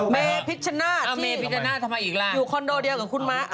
เมพิชชนะที่คอนโดเดียวกับคุณม้า